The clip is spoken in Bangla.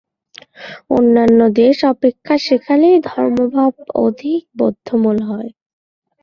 অন্যান্য দেশ অপেক্ষা সেখানেই ধর্মভাব অধিক বদ্ধমূল হয়।